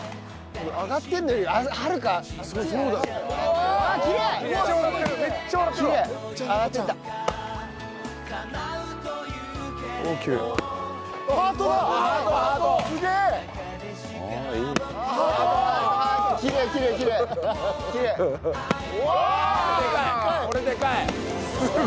これでかい。